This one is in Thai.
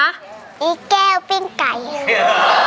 นี่แก้วเป็นไก่